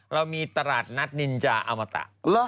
เรามีตลาดนัดนินจาอมตะ